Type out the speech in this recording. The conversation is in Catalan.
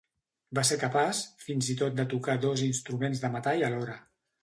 Va ser capaç fins i tot de tocar dos instruments de metall alhora.